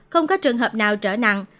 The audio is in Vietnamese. không có trường hợp nào trở nặng